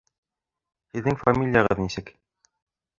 Һеҙҙең фамилияғыҙ нисек?